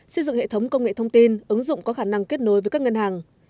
xây dựng hệ thống công nghệ thông tin ứng dụng có khả năng kết nối với các ngân hàng